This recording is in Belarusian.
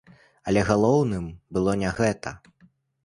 Але галоўным было не гэта.